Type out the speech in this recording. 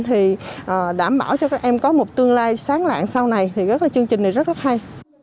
thì đảm bảo cho các em có một tương lai sáng lạng sau này thì chương trình này rất rất hay